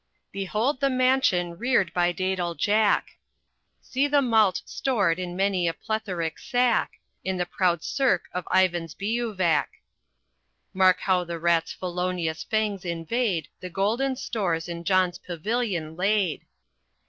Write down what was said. Behold the mansion reared by dædal Jack. See the malt stored in many a plethoric sack, In the proud cirque of Ivan's bivouac. Mark how the Rat's felonious fangs invade The golden stores in John's pavilion laid.